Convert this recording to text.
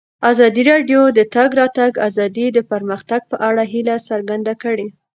ازادي راډیو د د تګ راتګ ازادي د پرمختګ په اړه هیله څرګنده کړې.